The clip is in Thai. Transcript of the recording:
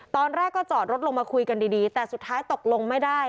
ตอนแรกก็จอดรถลงมาคุยกันดีแต่สุดท้ายตกลงไม่ได้